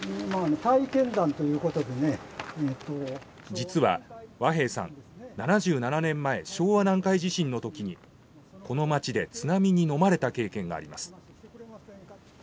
実は和平さん７７年前昭和南海地震の時にこの町で津波にのまれた経験があります。